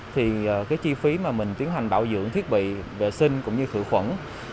thì cái chi phí mà mình tiến hành bảo dưỡng thiết bị vệ sinh cũng như khử khuẩn